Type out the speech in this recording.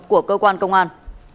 của cơ quan công an